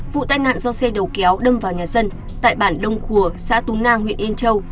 vụ tai nạn do xe đầu kéo đâm vào nhà dân tại bản đông khùa xã tú nang huyện yên châu